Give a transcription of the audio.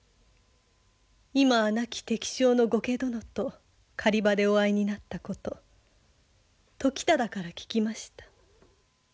今は亡き敵将の後家殿と狩り場でお会いになったこと時忠から聞きました。